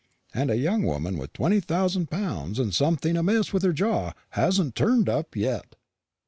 "And a young woman with twenty thousand pounds and something amiss with her jaw hasn't turned up yet!"